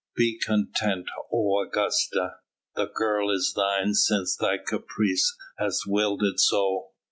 Be content, O Augusta! the girl is thine since thy caprice hath willed it so.